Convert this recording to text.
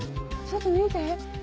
ちょっと見て！